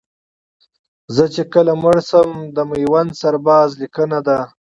زه چې کله مړ شمه د میوند سرباز لیکنه ده